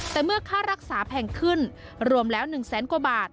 แต่เมื่อค่ารักษาแพงขึ้นรวมแล้ว๑แสนกว่าบาท